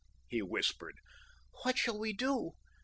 he whispered. "What shall we do?